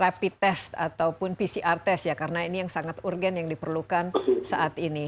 rapid test ataupun pcr test ya karena ini yang sangat urgen yang diperlukan saat ini